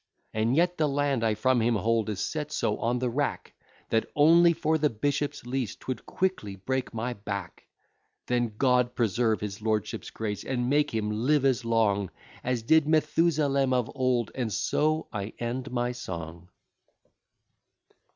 And yet the land I from him hold is set so on the rack, That only for the bishop's lease 'twould quickly break my back. Then God preserve his lordship's grace, and make him live as long As did Methusalem of old, and so I end my song.